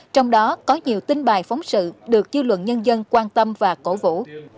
trong đó có nhiều tin bài phóng sự được dư luận nhân dân quan tâm và cổ vũ